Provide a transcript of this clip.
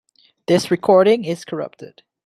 This recording is corrupted.